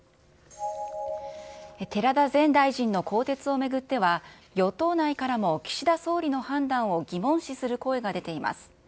寺田前大臣の更迭を巡っては、与党内からも岸田総理の判断を疑問視する声が出ています。